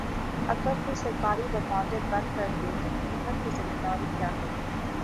اگر کوئی سرکاری دفاتر بند کردے تو حکومت کی ذمہ داری کیا ہے؟